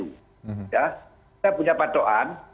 kita punya patoan